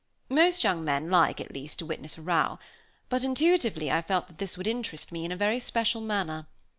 Most young men like, at least, to witness a row. But, intuitively, I felt that this would interest me in a very special manner.